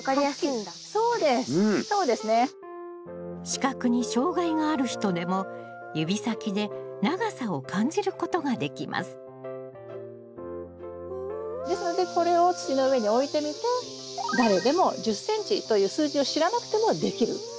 視覚に障害がある人でも指先で長さを感じることができますですのでこれを土の上に置いてみて誰でも１０ｃｍという数字を知らなくてもできる。